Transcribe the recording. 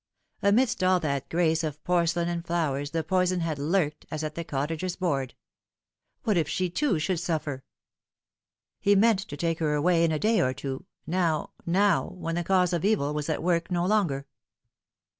Amidst all that grace of porcelain and flowers the poison had lurked, as at the cottagers' board. What if she, too, should suffer ? He meant to take her away in a day or two now now when the cause of evil was at work no longer.